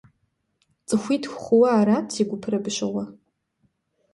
ЦӀыхуитху хъууэ арат си гупыр абы щыгъуэ.